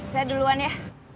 saya duluan ya